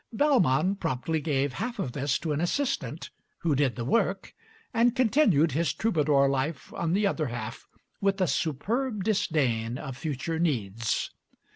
Bellman promptly gave half of this to an assistant, who did the work, and continued his troubadour life on the other half with a superb disdain of future needs.